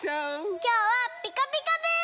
きょうは「ピカピカブ！」から！